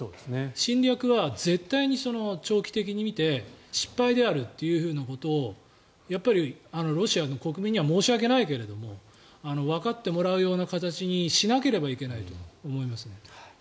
侵略は絶対に長期的に見て失敗であるということをやっぱりロシアの国民には申し訳ないけどわかってもらうような形にしなければいけないと思いますね。